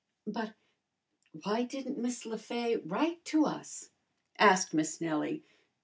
"But why didn't Miss Le Fay write to us?" asked Miss Nellie.